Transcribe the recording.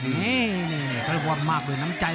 นี่นี่นี่ก็คือความมากเบือนน้ำใจ